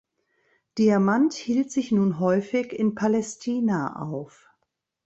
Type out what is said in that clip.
Diamant hielt sich nun häufig in Palästina auf.